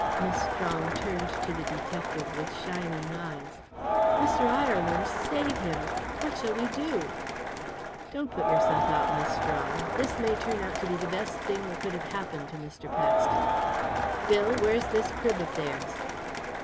Miss Strong turned to the detective with shining eyes. "Mr. Ireland, save him! What shall we do?" "Don't put yourself out, Miss Strong. This may turn out to be the best thing that could have happened to Mr. Paxton. Bill, where's this crib of theirs?"